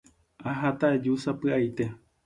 Aháta aju sapy'aite